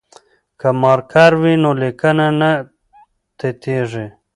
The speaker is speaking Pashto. که مارکر وي نو لیکنه نه تتېږي.